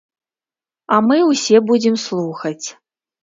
А мы ўсе будзем слухаць.